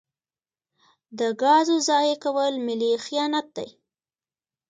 د ګازو ضایع کول ملي خیانت دی.